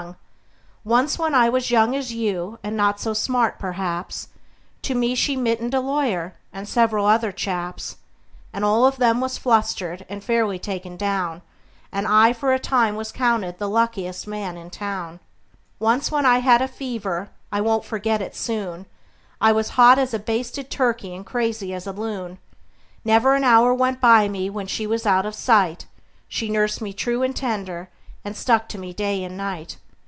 [ image not found: CarleFarmB 19, CarleFarmB 19 ] Once, when I was young as you, and not so smart, perhaps, For me she mittened a lawyer, and several other chaps; And all of them was flustered, and fairly taken down, And I for a time was counted the luckiest man in town. Once when I had a fever I won't forget it soon I was hot as a basted turkey and crazy as a loon; Never an hour went by me when she was out of sight She nursed me true and tender, and stuck to me day and night.